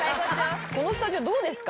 このスタジオどうですか？